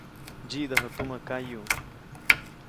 Ntsyidäju tumä kayuʼ.